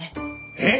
えっ！？